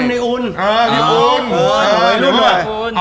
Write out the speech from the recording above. ทัลเรจิ